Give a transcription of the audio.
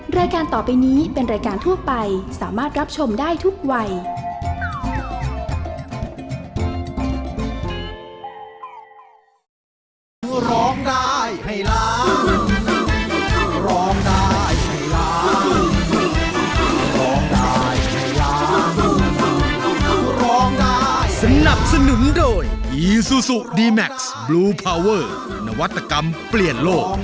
รายการต่อไปนี้เป็นรายการทั่วไปสามารถรับชมได้ทุกวัย